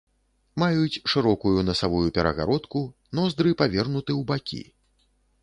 Маюць шырокую насавую перагародку, ноздры павернуты ў бакі.